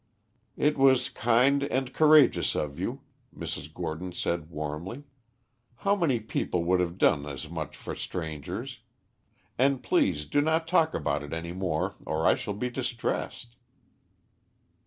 "It was kind and courageous of you," Mrs. Gordon said warmly. "How many people would have done as much for strangers! And please do not talk about it any more or I shall be distressed."